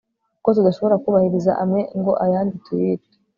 kuko tudashobora kubahiriza amwe ngo ayandi tuyice